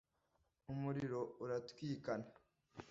umuriro uratwikana.